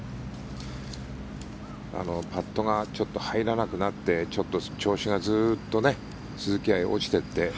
パットがちょっと入らなくなってちょっと調子がずっと鈴木愛、落ちていって。